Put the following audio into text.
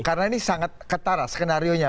karena ini sangat ketara skenario nya